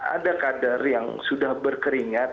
ada kader yang sudah berkeringat